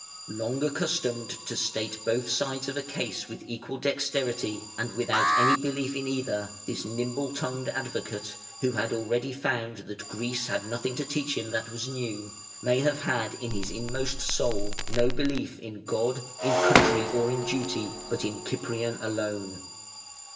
Long accustomed to state both sides of a case with equal dexterity, and without any belief in either, this nimble tongued advocate, who had already found that Greece had nothing to teach him that was new, may have had in his inmost soul no belief in God, in country, or in duty, but in Cyprian alone.